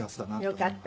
よかった。